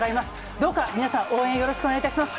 どうか皆さん、応援よろしくお願いいたします。